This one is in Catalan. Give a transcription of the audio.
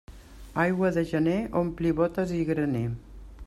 Aigua de gener ompli bótes i graner.